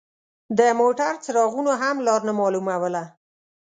د موټر څراغونو هم لار نه مالوموله.